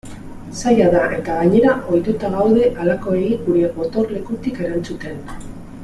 Zaila da eta gainera ohituta gaude halakoei gure gotorlekutik erantzuten.